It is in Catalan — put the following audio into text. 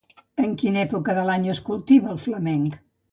En quina època de l'any es cultiva el flamenc?